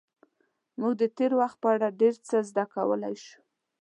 موږ د تېر وخت په اړه ډېر څه زده کولی شو.